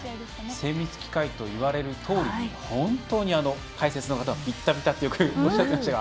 精密機械といわれるとおりに本当に解説の方もビッタビタってよくおっしゃっていましたが。